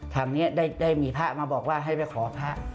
ทางนี้ได้ไว้พ่อมาบอกว่าแค่ไปขอพ่อ